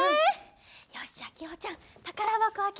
よしじゃあきほちゃんたからばこあけて！